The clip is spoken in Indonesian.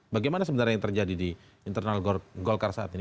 bagaimana sebenarnya yang terjadi di internal golkar saat ini